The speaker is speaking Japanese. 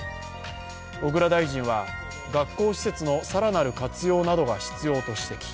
小倉大臣は学校施設の更なる活用などが必要と指摘。